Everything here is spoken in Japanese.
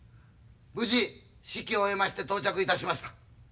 無事式を終えまして到着いたしました。